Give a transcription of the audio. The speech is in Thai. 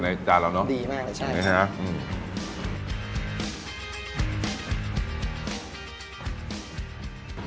ในจานเราเนอะดีมากเลยใช่นี่นะอืม